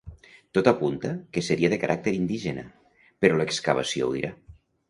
Tot apunta, que seria de caràcter indígena, però “l’excavació ho dirà”.